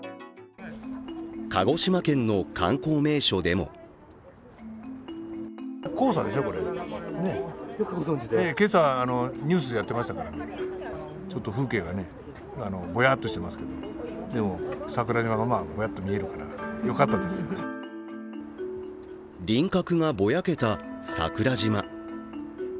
鹿児島県の観光名所でも輪郭がぼやけた桜島。